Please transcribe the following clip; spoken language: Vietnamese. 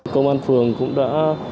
công an phường cũng đã